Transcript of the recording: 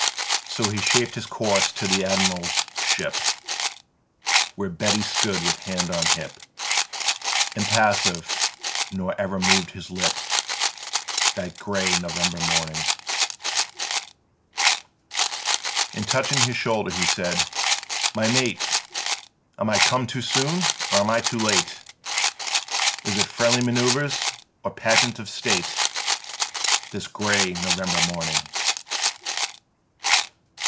3. So he shaped his course to the Admiral's ship, Where Beatty stood with hand on hip Impassive, nor ever moved his lip That grey November morning; And touching his shoulder he said: "My mate, Am I come too soon or am I too late? Is it friendly manœuvres or pageant of State This grey November morning?"